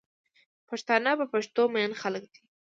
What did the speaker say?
پښتانه په پښتو مئین خلک دی